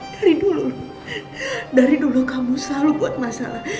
dari dulu dari dulu kamu selalu buat masalah